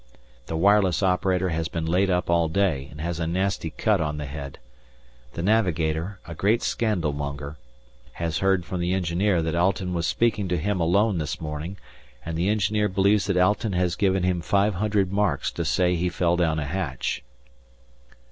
The wireless operator has been laid up all day and has a nasty cut on the head. The navigator, a great scandal monger, has heard from the engineer that Alten was speaking to him alone this morning, and the engineer believes that Alten has given him five hundred marks to say he fell down a hatch.